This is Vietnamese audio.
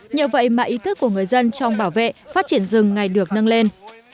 nhờ vậy mà ý thức của người dân trong bảo vệ phát triển rừng ngày được nâng lên